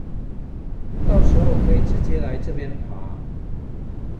到時候可以直接來這邊爬